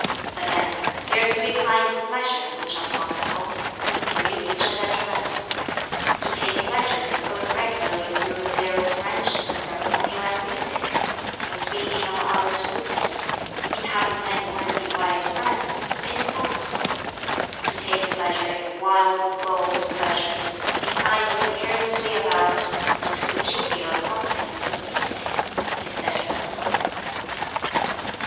Again, "There are three kinds of pleasure which are profitable, and three which are detrimental. To take pleasure in going regularly through the various branches of Ceremonial and Music, in speaking of others' goodness, in having many worthy wise friends, is profitable. To take pleasure in wild bold pleasures, in idling carelessly about, in the too jovial accompaniments of feasting, is detrimental."